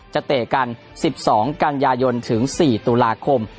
เตะกัน๑๒กันยายนถึง๔ตุลาคม